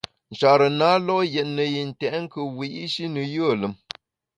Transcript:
Nchare na lo’ yètne yi ntèt nkùt wiyi’shi ne yùe lùm.